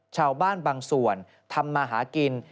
ชาวบ้านบางส่วนทำมาหากิน